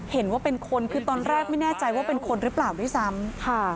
เห็นว่าเป็นคนคือตอนแรกไม่แน่ใจว่าเป็นคนหรือเปล่าด้วยซ้ำค่ะ